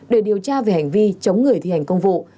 để điều tra về hành vi chống người thi hành công vụ